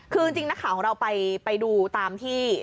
คือจริงนักข่าวของเราไปดูตามที่